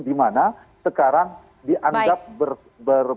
dimana sekarang dianggap berbeda